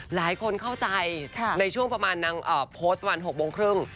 หลายคนเข้าใจในช่วงประมาณนางโพสต์วัน๖โมงครึ่ง